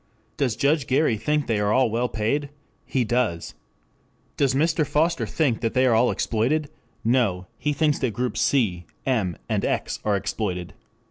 Does Judge Gary think they are all well paid? He does. Does Mr. Foster think they are all exploited? No, he thinks that groups C, M, and X are exploited.